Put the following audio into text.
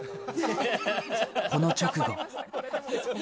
この直後。